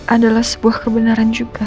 adalah sebuah kebenaran juga